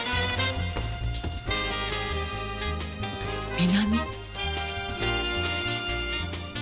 南。